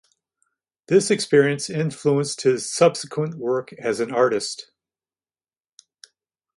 This experience influenced his subsequent work as an artist.